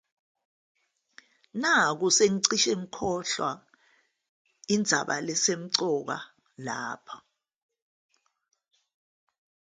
Nakhu sengicishe ngikhohlwa indaba esemqoka lapha.